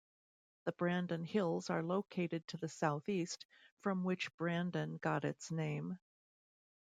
The Brandon hills are located to the southeast, from which Brandon got its name.